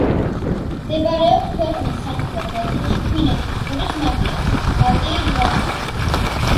მდებარეობს ქვეყნის სამხრეთ ნაწილში ფინეთის ყურის ნაპირას, ბალტიის ზღვასთან.